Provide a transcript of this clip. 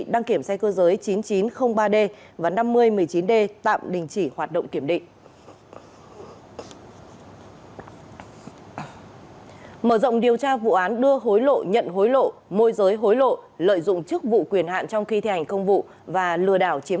đăng ký kênh để ủng hộ kênh của chúng mình nhé